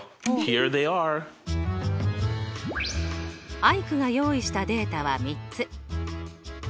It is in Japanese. アイクが用意したデータは３つ。